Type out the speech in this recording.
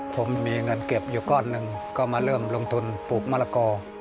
ผมมีเงินเก็บอยู่ก้อนหนึ่งก็มาเริ่มลงทุนปลูกมะละกอ